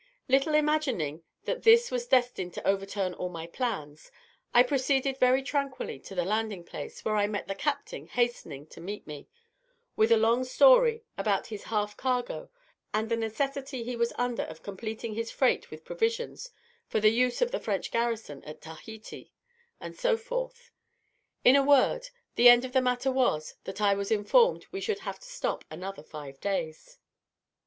Little imagining that this was destined to overturn all my plans, I proceeded very tranquilly to the landing place, where I met the captain hastening to meet me, with a long story about his half cargo, and the necessity he was under of completing his freight with provisions for the use of the French garrison at Tahiti, and so forth: in a word, the end of the matter was, that I was informed we should have to stop another five days.